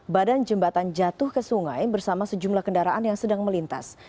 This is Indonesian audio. badan jembatan jatuh ke sungai bersama sejumlah kendaraan yang sedang melintas